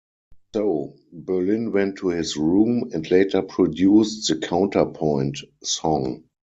So, Berlin went to his room and later produced the counterpoint song.